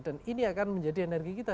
dan ini akan menjadi energi kita